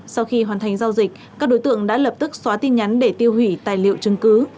sau khi hoàn thành giao dịch các đối tượng đã lập tức xóa tin nhắn để tiêu hủy tài liệu chứng cứ